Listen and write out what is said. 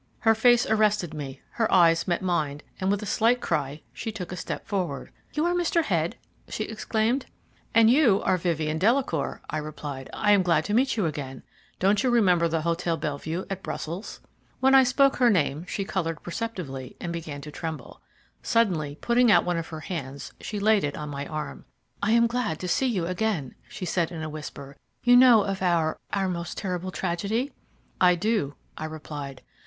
Her face arrested me; her eyes met mine, and, with a slight cry, she took a step forward. "You are Mr. Head?" she exclaimed. "And you are Vivien Delacour," I replied. "I am glad to meet you again. Don't you remember the Hotel Bellevue at Brussels?" When I spoke her name she coloured perceptibly and began to tremble. Suddenly putting out one of her hands, she laid it on my arm. "I am glad to see you again," she said, in a whisper. "You know of our our most terrible tragedy? "I do," I replied.